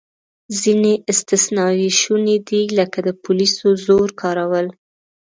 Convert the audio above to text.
ځینې استثناوې شونې دي، لکه د پولیسو زور کارول.